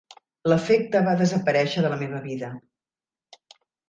L'afecte va desaparèixer de la meva vida.